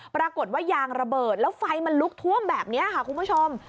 ปรากฏว่ายางระเบิดแล้วไฟมันลุกท่วมแบบนี้ค่ะคุณผู้ชม